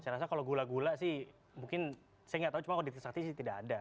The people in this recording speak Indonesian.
saya rasa kalau gula gula sih mungkin saya nggak tahu cuma kalau di trisakti sih tidak ada